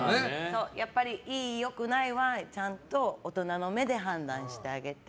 やっぱり、いい、良くないはちゃんと大人の目で判断してあげて。